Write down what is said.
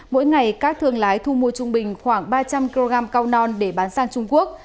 mỗi ngày các thương lái thu mua trung bình khoảng ba trăm linh kg cao non để bán sang trung quốc